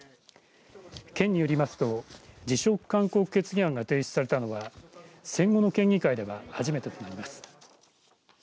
県によりますと辞職勧告決議案が提出されたのは戦後の県議会では初めてとなります。